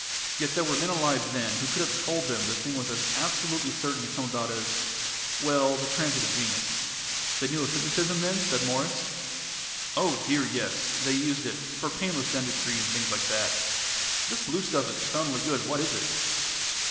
Yet there were men alive then who could have told them the thing was as absolutely certain to come about as well, the transit of Venus." "They knew of hypnotism, then?" "Oh, dear, yes! They used it for painless dentistry and things like that! This blue stuff is confoundedly good: what is it?"